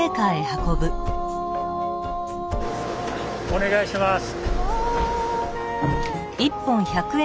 お願いします。